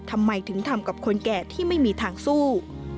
ทำไมถึงทำกับคนแก่ที่ไม่มีทางสู้